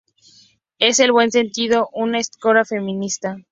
Es, en el buen sentido, una escritora feminista.